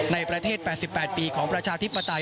ในประเทศ๘๘ปีของประชาธิปไตย